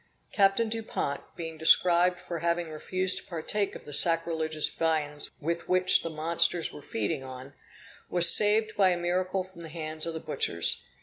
Captain Dupont, being prescribed for having refused to partake of the sacrilegious viands with which the monsters were feeding on, was saved by a miracle from the hands of the butchers.